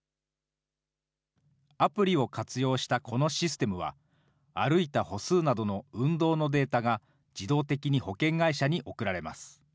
アプリを活用したこのシステムは、歩いた歩数などの運動のデータが、自動的に保険会社に送られます。